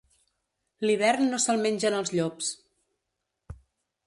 L'hivern no se'l mengen els llops.